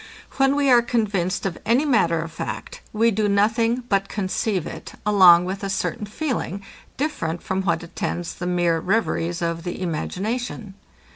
When we are convinced of any matter of fact, we do nothing but conceive it, along with a certain feeling, different from what attends the mere reveries of the imagination.